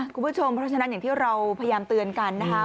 คุณผู้ชมเพราะฉะนั้นอย่างที่เราพยายามเตือนกันนะคะ